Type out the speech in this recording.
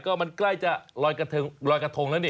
ก็มันใกล้จะลอยกระทงแล้วนี่